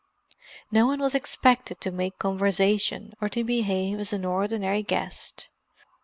No one was expected to make conversation or to behave as an ordinary guest.